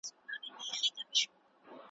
هغه يو دانشمند او صاحب نظر شخص وو